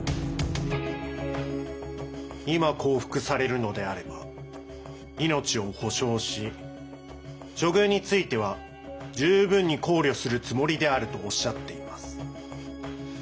今降伏されるのであれば命を保証し処遇については十分に考慮するつもりであるとおっしゃっています。